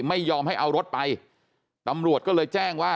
ไม่ยอมให้เอารถไปตำรวจก็เลยแจ้งว่า